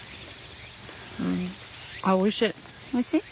あっおいしい。